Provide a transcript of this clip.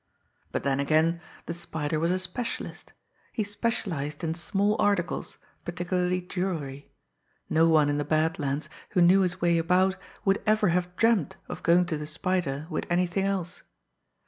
But then again, the Spider was a specialist he specialised in small articles, particularly jewelry no one in the Bad Lands who knew his way about would ever have dreamed of going to the Spider with anything else!